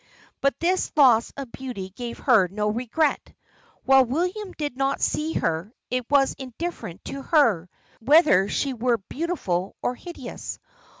But this loss of beauty gave her no regret while William did not see her, it was indifferent to her, whether she were beautiful or hideous.